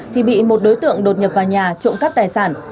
thì bị một đối tượng đột nhập vào nhà trộm cắp tài sản